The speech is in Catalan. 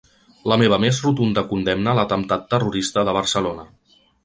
La meva més rotunda condemna a l’atemptat terrorista de Barcelona.